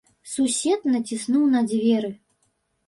Сусед націснуў на дзверы.